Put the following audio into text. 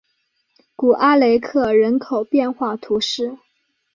古阿雷克人口变化图示